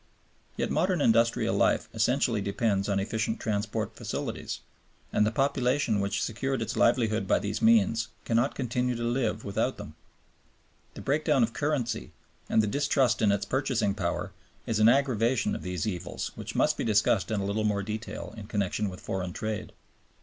Yet modern industrial life essentially depends on efficient transport facilities, and the population which secured its livelihood by these means cannot continue to live without them. The breakdown of currency, and the distrust in its purchasing value, is an aggravation of these evils which must be discussed in a little more detail in connection with foreign trade.